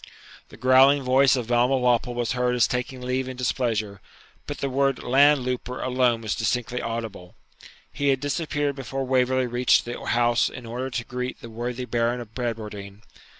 The growling voice of Balmawhapple was heard as taking leave in displeasure, but the word 'land louper' alone was distinctly audible. He had disappeared before Waverley reached the house in order to greet the worthy Baron of Bradwardine.